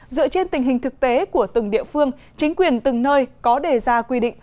dựa trên tình hình thực tế của từng địa phương chính quyền từng nơi có đề ra quy định